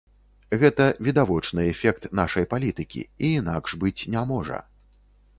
Гэта відавочны эфект нашай палітыкі, і інакш быць не можа.